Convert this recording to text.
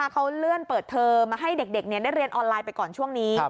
เขาเลื่อนเปิดเทอมมาให้เด็กได้เรียนออนไลน์ไปก่อนช่วงนี้